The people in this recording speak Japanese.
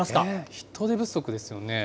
人手不足ですよね。